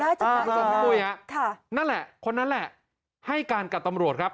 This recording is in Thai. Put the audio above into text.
คุยภาษาอังกฤษคนนั้นแหละให้กันกับตำรวจครับ